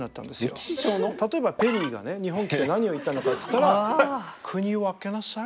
例えばペリーが日本に来て何を言ったのかっていったら「国を開けなさい」。